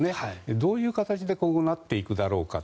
どういう形でこうなっていくだろうかと。